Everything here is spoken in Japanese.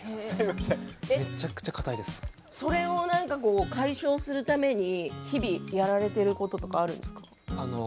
それを解消するために日々やられていることとかあるんですか？